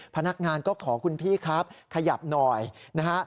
พนักงานก็ขอคุณพี่ครับขยับหน่อยนะฮะ